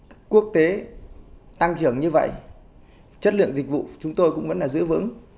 các quốc tế tăng trưởng như vậy chất lượng dịch vụ chúng tôi cũng vẫn là giữ vững